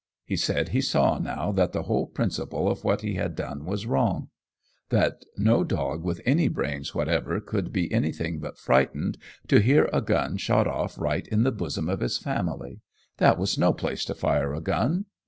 He said he saw now that the whole principle of what he had done was wrong; that no dog with any brains whatever could be anything but frightened to hear a gun shot off right in the bosom of his family. That was no place to fire a gun.